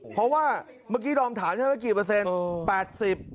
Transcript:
เพราะว่าเมื่อกี้ดอมถามใช่ไหมกี่เปอร์เซ็นต์